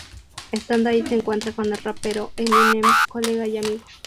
Estando ahí se encuentra con el rapero Eminem, colega y amigo.